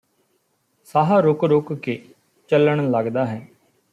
ਸਾਹ ਰੁਕ ਰੁਕ ਕੇ ਚੱਲਣ ਲੱਗਦਾ ਹੈ